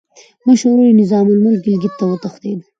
مشر ورور یې نظام الملک ګیلګیت ته وتښتېد.